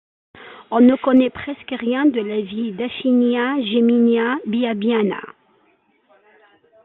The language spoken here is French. On ne connaît presque rien de la vie d'Afinia Gemina Baebiana.